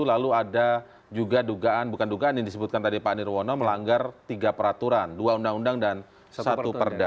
lalu ada juga dugaan bukan dugaan yang disebutkan tadi pak nirwono melanggar tiga peraturan dua undang undang dan satu perda